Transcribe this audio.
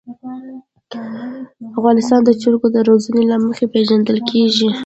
افغانستان د چرګانو د روزنې له مخې پېژندل کېږي.